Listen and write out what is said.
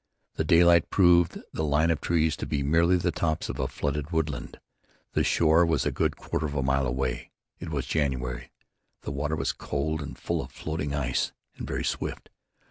The daylight proved the line of trees to be merely the tops of a flooded woodland. The shore was a good quarter of a mile away. It was January; the water was cold and full of floating ice, and very swift.